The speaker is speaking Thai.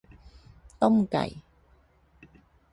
ต้มไก่